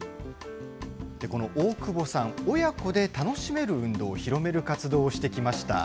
この大久保さん、親子で楽しめる運動を広める活動をしてきました。